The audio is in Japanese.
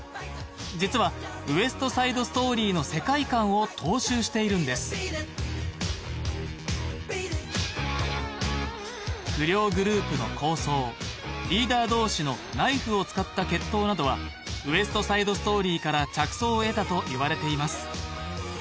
実は「ウエスト・サイド・ストーリー」の世界観を踏襲しているんですリーダー同士のナイフを使った決闘などは「ウエスト・サイド・ストーリー」から着想を得たといわれています